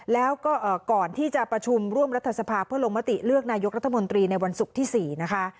แล้วก็ก่อนที่จะประชุมร่วมรัฐสภาเพื่อลงมติเลือกนายกรัฐมนตรีในวันศุกร์ที่๔นะคะ